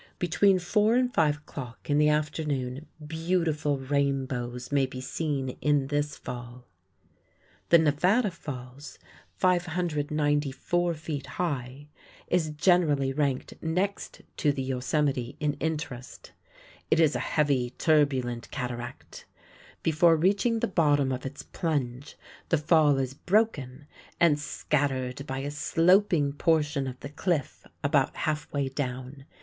Between four and five o'clock in the afternoon beautiful rainbows may be seen in this fall. The Nevada Falls, 594 feet high, is generally ranked next to the Yosemite in interest. It is a heavy, turbulent cataract. Before reaching the bottom of its plunge the fall is broken and scattered by a sloping portion of the cliff about half way down.